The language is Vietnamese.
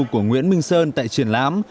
của nguyễn minh sơn tại triển lãm